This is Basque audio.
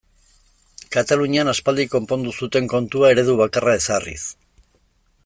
Katalunian aspaldian konpondu zuten kontua eredu bakarra ezarriz.